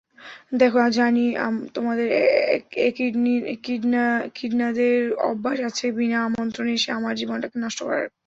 দেখ, জানি তোমাদের একিডনাদের অভ্যাস আছে বিনা আমন্ত্রণে এসে আমার জীবনটাকে নষ্ট করার।